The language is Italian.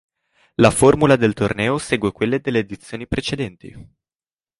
La formula del torneo segue quella delle edizioni precedenti.